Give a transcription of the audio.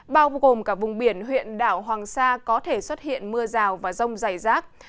bao gồm cả vùng biển huyện đảo hoàng sa có thể xuất hiện mưa rào và rông dày rác